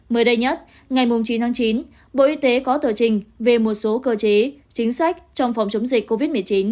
mới đây nhất ngày chín tháng chín bộ y tế có tờ trình về một số cơ chế chính sách trong phòng chống dịch covid một mươi chín